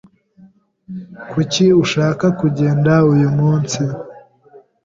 Kuki ushaka kugenda uyu munsi?